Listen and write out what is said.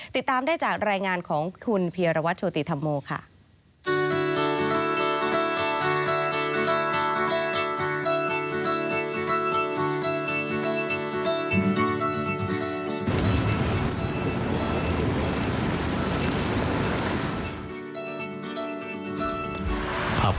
ติดตามได้จากรายงานของคุณเพียรวัตรโชติธรรมโมค่ะ